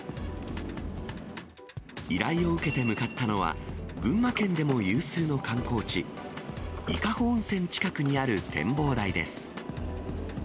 依頼を受けて向かったのは、群馬県でも有数の観光地、伊香保温泉近くにある展望台です。